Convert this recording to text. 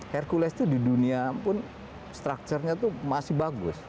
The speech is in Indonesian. hercules itu di dunia pun structure nya itu masih bagus